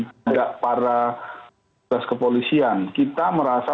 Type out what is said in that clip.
duga para pejabat kepolisian kita merasa